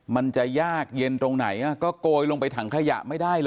มันจะยากเย็นตรงไหนก็โกยลงไปถังขยะไม่ได้เลย